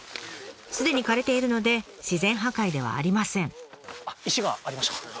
すでに枯れているので自然破壊ではありません。